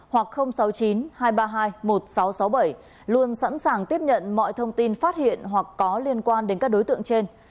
hoặc sáu mươi chín hai trăm ba mươi hai một nghìn sáu trăm sáu mươi bảy luôn sẵn sàng tiếp nhận mọi thông tin phát hiện hoặc có liên quan đến các đối tượng trên